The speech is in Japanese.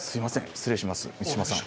失礼します満島さん。